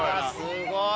すごい。